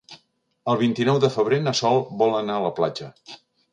El vint-i-nou de febrer na Sol vol anar a la platja.